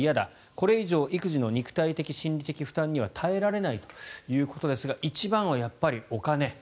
これ以上、育児の肉体的・心理的負担には耐えられないということですが一番はやっぱりお金。